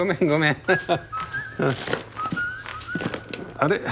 あれ？